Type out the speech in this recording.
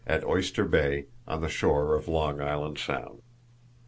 at Oyster Bay, on the shore of Long Island Sound.